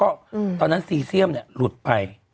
ก็ตอนนั้นซีเซียมเนี่ยหลุดไป